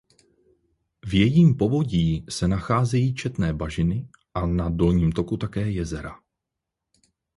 V jejím povodí se nacházejí četné bažiny a na dolním toku také jezera.